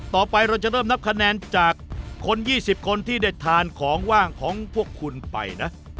ต่อไปเราจะเริ่มนับคะแนนจากคน๒๐คนที่ได้ทานของว่างของพวกคุณไปนะ